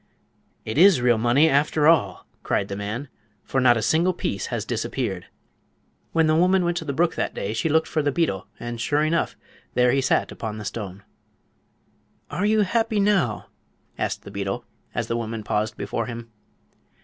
"It is real money, after all!" cried the man; "for not a single piece has disappeared." When the woman went to the brook that day she looked for the beetle, and, sure enough, there he sat upon the flat stone. "Are you happy now?" asked the beetle, as the woman paused before him.